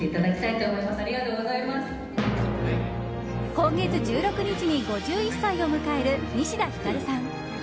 今月１６日に５１歳を迎える西田ひかるさん。